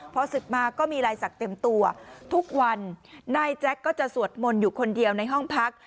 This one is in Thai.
พอศึกมาก็มีลายศักดิ์เต็มตัวทุกวันนายแจ๊คก็จะสวดมนต์อยู่คนเดียวในห้องพัก